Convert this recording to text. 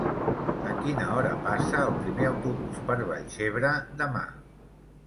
A quina hora passa el primer autobús per Vallcebre demà?